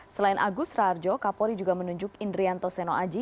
selain agus rarjo kapolri juga menunjuk indrianto seno aji